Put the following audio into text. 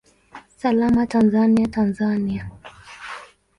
Salama Tanzania, Tanzania!